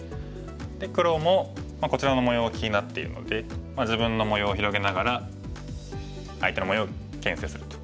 で黒もこちらの模様が気になっているので自分の模様を広げながら相手の模様をけん制すると。